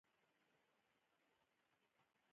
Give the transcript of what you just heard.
بارنس دا د ځان لپاره يو مناسب فرصت وباله.